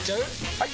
・はい！